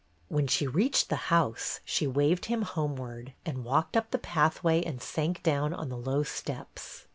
When she reached the house, she waved him homeward, and walked up the pathway and sank down on the low steps.